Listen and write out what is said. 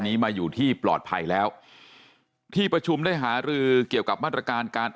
นี้มาอยู่ที่ปลอดภัยแล้วที่ประชุมได้หารือเกี่ยวกับมาตรการการ